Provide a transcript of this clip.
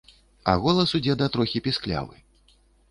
А голас у дзеда трохі пісклявы.